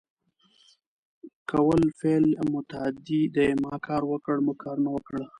کول فعل متعدي دی ما کار وکړ ، موږ کارونه وکړ